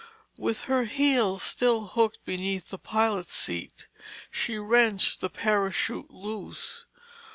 With her heels still hooked beneath the pilot's seat, she wrenched the parachute loose.